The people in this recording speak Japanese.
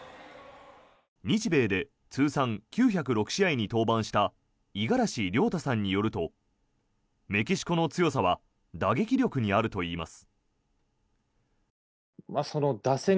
日米で通算９０６試合に登板した五十嵐亮太さんによるとメキシコの強さは打撃力にあるといいます。